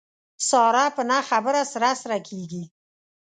ساره په نه خبره سره سره کېږي.